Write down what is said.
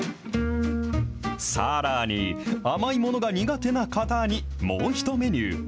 さらに、甘いものが苦手な方に、もうひとメニュー。